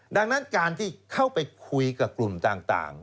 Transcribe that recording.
ดังนั้นการที่เข้าไปคุยกับกลุ่มต่าง